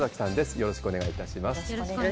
よろしくお願いします。